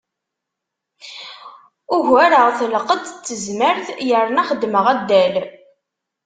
Ugareɣ-t lqedd d tezmert yerna xeddmeɣ addal.